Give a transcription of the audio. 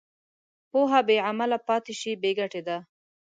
پوهه بېعمله پاتې شي، بېګټې ده.